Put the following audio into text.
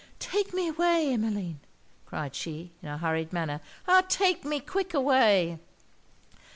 'Take me away, Emmeline!' cried she, in a hurried manner 'ah! take me quick away!